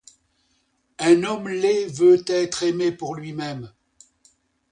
Un homme laid veut être aimé pour lui-même.